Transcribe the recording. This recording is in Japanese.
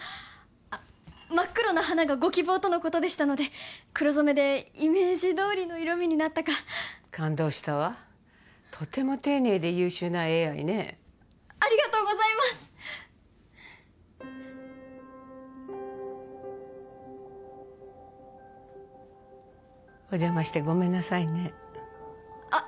あっ真っ黒な花がご希望とのことでしたので黒染めでイメージどおりの色みになったか感動したわとても丁寧で優秀なＡＩねありがとうございますお邪魔してごめんなさいねあっ